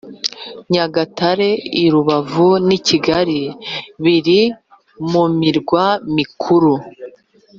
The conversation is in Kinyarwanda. nyagatare i rubavu n i kigali biri mu mirwa mikuru